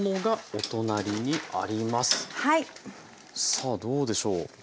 さあどうでしょう。